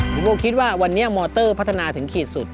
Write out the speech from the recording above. ผมก็คิดว่าวันนี้มอเตอร์พัฒนาถึงขีดสุด